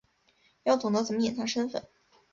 要懂得怎么隐藏身份